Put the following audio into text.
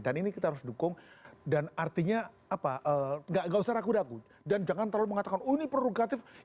dan jangan terlalu mengatakan ini prerogatif